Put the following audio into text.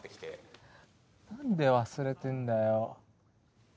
なんで忘れてんだよ。